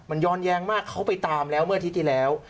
มันย้อนแย้งมากเขาไปตามแล้วเมื่ออาทิตย์ที่แล้ว